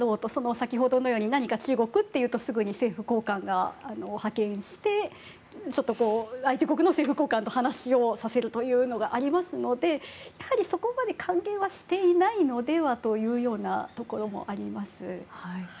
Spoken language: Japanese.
先ほどのように何か中国と言うと、政府高官を派遣して、相手国の政府高官と話をさせることがありますのでやはり、そこまで歓迎はしていないのではというところもあります。